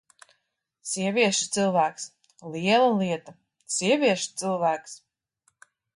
Sievieša cilvēks! Liela lieta: sievieša cilvēks!